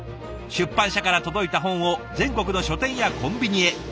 出版社から届いた本を全国の書店やコンビニへ。